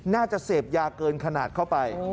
น่าจะเสพยาเกินขนาดเข้าไป